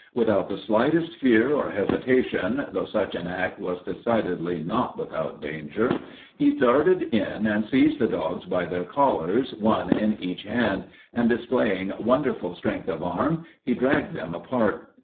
Without the slightest fear or hesitation, though such an act was decidedly not without danger, he darted in and seized the dogs by their collars, one in each hand, and displaying wonderful strength of arm he dragged them apart.